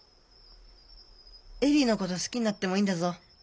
恵里のこと好きになってもいいんだぞ。